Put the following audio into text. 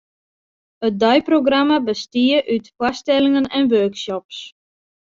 It deiprogramma bestie út foarstellingen en workshops.